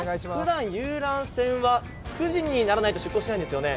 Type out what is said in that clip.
ふだん遊覧船は９時にならないと出港しないんですよね。